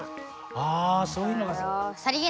あそういうのがすき。